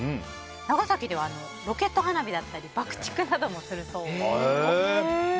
長崎ではロケット花火だったり爆竹などもするそうです。